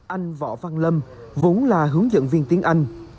anh võ văn lâm vốn là hướng dẫn viên tiếng anh